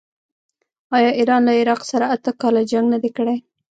آیا ایران له عراق سره اته کاله جنګ نه دی کړی؟